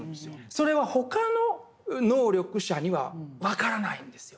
それは他の能力者には分からないんですよ。